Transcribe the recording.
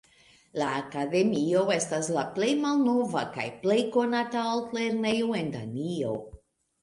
La akademio estas la plej malnova kaj plej konata altlernejo en Danio.